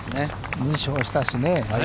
優勝したしね。